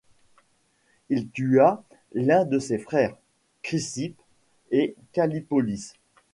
Il tua l'un de ses frères, Chrysippe, et Callipolis.